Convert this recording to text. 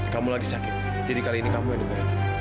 kamu lagi sakit jadi kali ini kamu yang dibaya